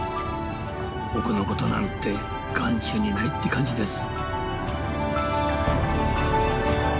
僕のことなんて眼中にないって感じです。